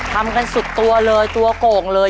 ทำกันสุดตัวเลยตัวโก่งเลย